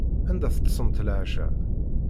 Anda teṭṭsemt leɛca?